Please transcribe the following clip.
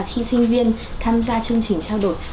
khi sinh viên tham gia chương trình trao đổi